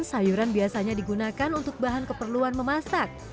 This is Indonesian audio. sayuran biasanya digunakan untuk bahan keperluan memasak